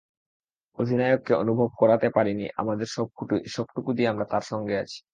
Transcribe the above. অধিনায়ককে অনুভব করাতে পারিনি আমাদের সবটুকু দিয়ে আমরা তাঁর সঙ্গে আছি।